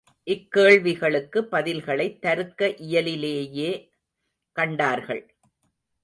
இக்கேள்விகளுக்கு பதில்களைத் தருக்க இயலிலேயே கண்டார்கள்.